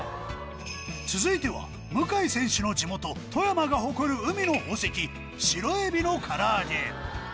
続いては向選手の地元富山が誇る海の宝石シロエビの唐揚げ